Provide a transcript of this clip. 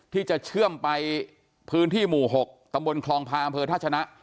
ที่จะเชื่อมไปพื้นที่หมู่๖ตำบลคลองพาอำเภอท่าชนะ